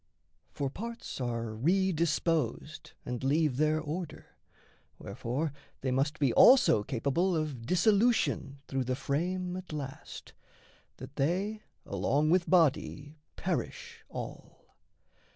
For parts are re disposed and leave their order; Wherefore they must be also capable Of dissolution through the frame at last, That they along with body perish all.